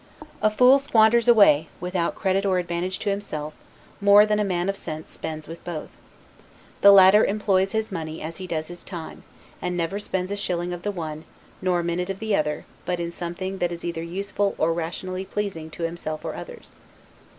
A fool squanders away, without credit or advantage to himself, more than a man of sense spends with both. The latter employs his money as he does his time, and never spends a shilling of the one, nor a minute of the other, but in something that is either useful or rationally pleasing to himself or others.